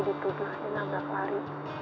dituduh dia nabrak lari